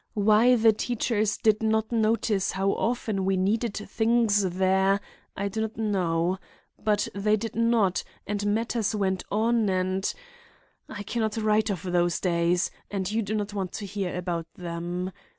Why the teachers did not notice how often we needed things there, I do not know. But they did not, and matters went on and— "I can not write of those days, and you do not want to hear about them.